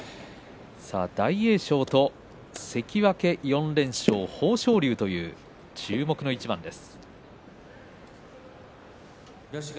大栄翔と関脇４連勝豊昇龍という注目の一番です。